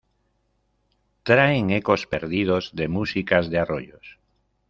Traen ecos perdidos de músicas de arroyos.